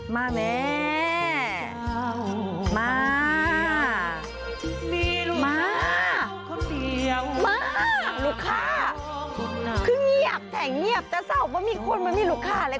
มาแม่มามามามาลู่ค่ะ